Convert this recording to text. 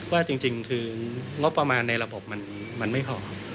ว่าจริงคืองบประมาณในระบบมันไม่พอ